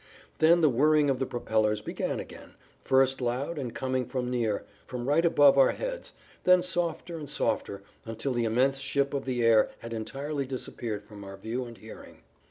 Then the whirring of the propellers began again, first loud and coming from near, from right above our heads,[Pg 17] then softer and softer until the immense ship of the air had entirely disappeared from our view and hearing.